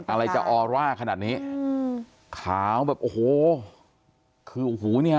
อะไรจะออร่าขนาดนี้อืมขาวแบบโอ้โหคือโอ้โหเนี่ย